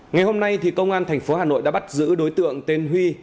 ngày hôm nay công an thành phố hà nội đã bắt giữ đối tượng tên huy